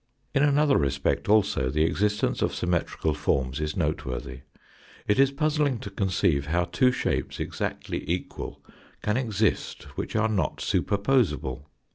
In another respect also the existence of symmetrical forms is noteworthy. It is puzzling to conceive how two shapes exactly equal can exist which are not superposible.